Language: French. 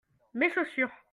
Mes chaussures.